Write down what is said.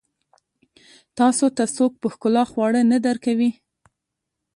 تاسو ته څوک په ښکلا خواړه نه درکوي.